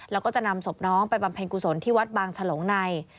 แล้วก็จะนำศพน้องไปบำเพ็ญกุศลที่วัดบางฉลงใน